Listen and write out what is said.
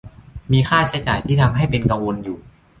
มีค่าใช้จ่ายที่ทำให้เป็นกังวลอยู่